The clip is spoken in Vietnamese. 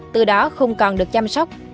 từ đó không còn được chăm sóc